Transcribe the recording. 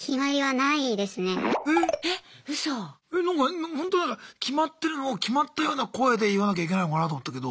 なんか決まってるのを決まったような声で言わなきゃいけないのかなと思ったけど。